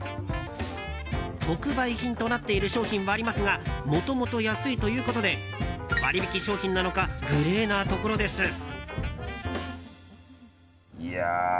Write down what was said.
特売品となっている商品はありますがもともと安いということで割引商品なのかグレーなところです。